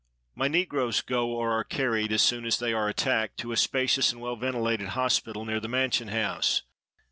—My negroes go, or are carried, as soon as they are attacked, to a spacious and well ventilated hospital, near the mansion house.